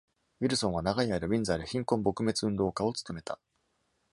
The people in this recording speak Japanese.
ウィルソンは、長い間ウィンザーで貧困撲滅運動家を務めた。